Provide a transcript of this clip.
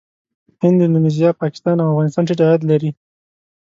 هند، اندونیزیا، پاکستان او افغانستان ټيټ عاید لري.